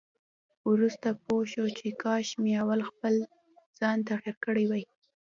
وروسته پوه شو چې کاش مې اول خپل ځان تغيير کړی وای.